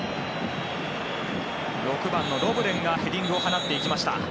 ６番のロブレンがヘディングを放っていきました。